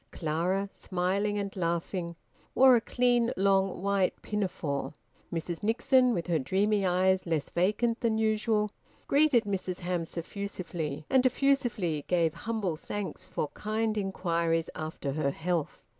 Clara, smiling and laughing, wore a clean long white pinafore. Mrs Nixon, with her dreamy eyes less vacant than usual, greeted Mrs Hamps effusively, and effusively gave humble thanks for kind inquiries after her health.